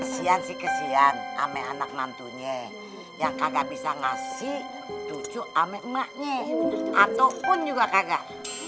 siang siang ame anak nantunya yang kagak bisa ngasih tujuk ame emaknya ataupun juga kagak